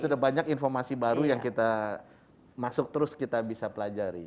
sudah banyak informasi baru yang kita masuk terus kita bisa pelajari